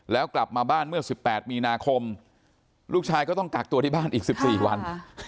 แล้วกลับมาบ้านเมื่อ๑๘มีนาคมลูกชายก็ต้องกักตัวที่บ้านอีก๑๔วัน